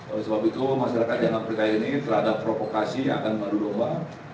oleh sebab itu masyarakat yang berkait ini terhadap provokasi yang akan menuduh mbak